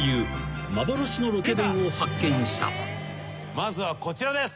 まずはこちらです。